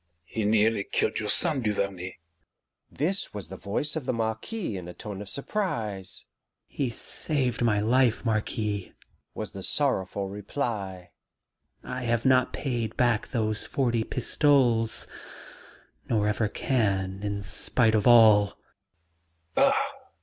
"He nearly killed your son, Duvarney." This was the voice of the Marquis in a tone of surprise. "He saved my life, Marquis," was the sorrowful reply. "I have not paid back those forty pistoles, nor ever can, in spite of all."